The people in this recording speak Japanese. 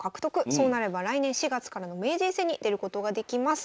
そうなれば来年４月からの名人戦に出ることができます。